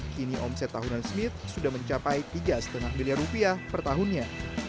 kini omset tahunan smith sudah mencapai tiga lima miliar rupiah per tahunnya